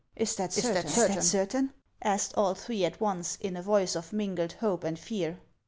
" Is that certain ?" asked all three at once, in a voice of mingled hope and fear.